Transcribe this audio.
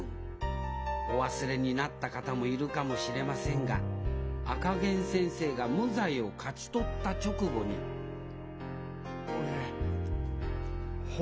お忘れになった方もいるかもしれませんが赤ゲン先生が無罪を勝ち取った直後に俺本当はやったんだ。